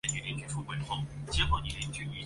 星空永恒的守护我们